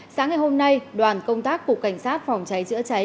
sáng ngày hôm nay đoàn công tác cục cảnh sát phòng cháy chữa cháy